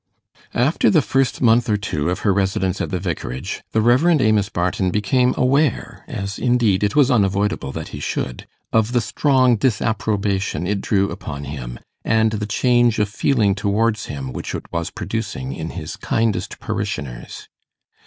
After the first month or two of her residence at the Vicarage, the Rev. Amos Barton became aware as, indeed, it was unavoidable that he should of the strong disapprobation it drew upon him, and the change of feeling towards him which it was producing in his kindest parishioners.